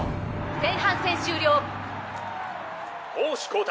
「前半戦終了」攻守交代。